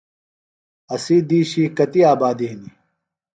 اسی دِیشی کتیۡ آبادیۡ ہِنیۡ؟